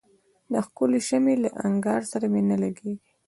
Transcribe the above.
د ښکلي شمعي له انګار سره مي نه لګیږي